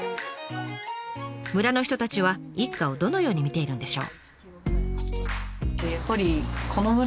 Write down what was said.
村の人たちは一家をどのように見ているんでしょう？